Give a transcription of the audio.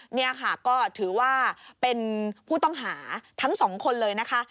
นี่ค่ะก็ถือว่าเป็นผู้ต้องหาทั้งสองคนเลยนะคะ